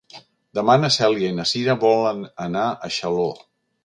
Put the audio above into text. Demà na Cèlia i na Cira volen anar a Xaló.